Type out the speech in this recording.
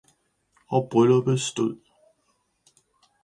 – Og brylluppet stod.